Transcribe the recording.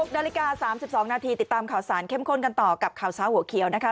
นาฬิกา๓๒นาทีติดตามข่าวสารเข้มข้นกันต่อกับข่าวเช้าหัวเขียวนะคะ